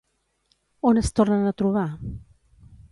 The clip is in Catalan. On es tornen a trobar?